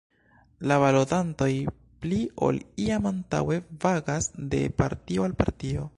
La balotantoj pli ol iam antaŭe vagas de partio al partio.